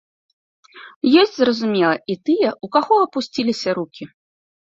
Ёсць, зразумела, і тыя, у каго апусціліся рукі.